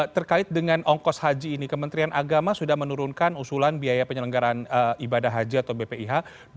terkait dengan ongkos haji ini kementerian agama sudah menurunkan usulan biaya penyelenggaran ibadah haji atau bpkh